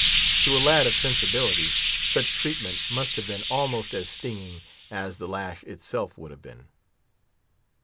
To a lad of sensibility, such treatment must have been almost as stinging as the lash itself would have been.